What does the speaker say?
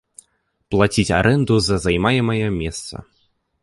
Плаціць арэнду за займаемае месца.